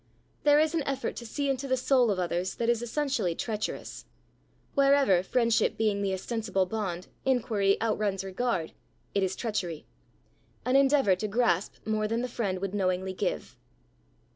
There is an effort to see into the soul of others that is essentially treacherous; wherever, friendship being the ostensible bond, inquiry outruns regard, it is treachery an endeavour to grasp more than the friend would knowingly give.